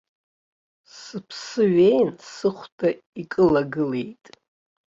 Сыԥсы ҩеин сыхәда икылагылеит.